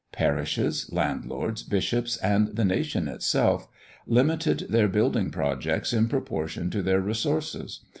Parishes, landlords, bishops, and the nation itself, limited their building projects in proportion to their resources.